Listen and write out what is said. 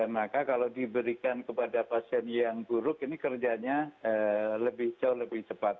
maka kalau diberikan kepada pasien yang buruk ini kerjanya lebih jauh lebih cepat